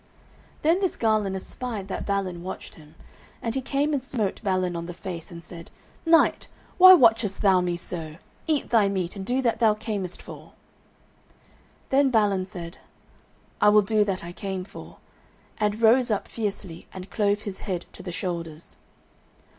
Then this Garlon espied that Balin watched him, and he came and smote Balin on the face, and said: "Knight, why watchest thou me so? Eat thy meat, and do that thou camest for." Then Balin said, "I will do that I came for," and rose up fiercely and clove his head to the shoulders.